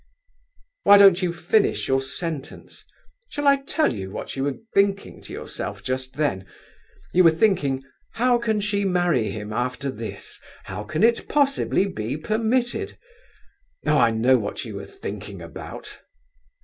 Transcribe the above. "Why don't you finish your sentence? Shall I tell you what you were thinking to yourself just then? You were thinking, 'How can she marry him after this? How can it possibly be permitted?' Oh, I know what you were thinking about!"